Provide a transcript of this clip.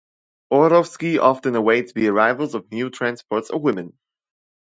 Orlowski often awaited the arrivals of new transports of women.